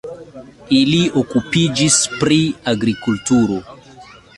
Ili okupiĝis pri agrikulturo.